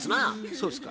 そうっすか。